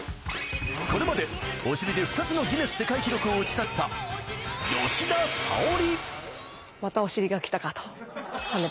これまでお尻で２つのギネス世界記録を打ち立てた吉田沙保里。